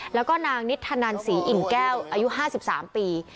แล้วก็นางนิทธนันศรีอิ่นแก้วอายุ๕๓ปี